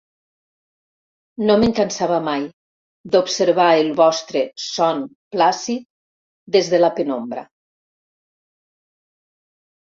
No me'n cansava mai, d'observar el vostre son plàcid des de la penombra.